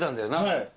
はい。